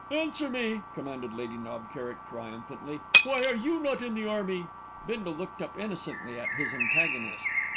"Answer me!" commanded Lady Knob Kerrick triumphantly. "Why are you not in the army?" Bindle looked up innocently at his antagonist.